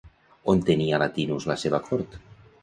On tenia Latinus la seva cort?